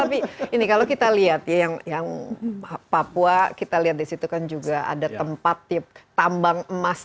tapi ini kalau kita lihat ya yang papua kita lihat di situ kan juga ada tempat tambang emas